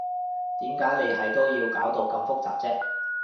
點解你係都要搞到咁複雜啫？